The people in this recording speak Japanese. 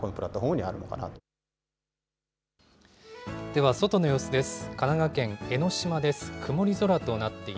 では外の様子です。